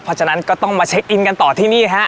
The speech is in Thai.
เพราะฉะนั้นก็ต้องมาเช็คอินกันต่อที่นี่ฮะ